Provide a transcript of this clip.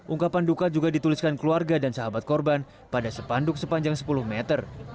ungkapan duka juga dituliskan keluarga dan sahabat korban pada sepanduk sepanjang sepuluh meter